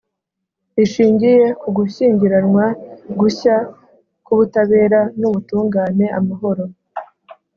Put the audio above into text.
rishingiye k’ugushyingiranwa gushya k’ubutabera n’ubutungane, amahoro,